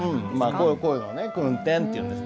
こういうのを訓点っていうんです。